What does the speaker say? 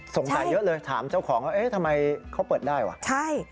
เยอะเลยถามเจ้าของว่าเอ๊ะทำไมเขาเปิดได้ว่ะใช่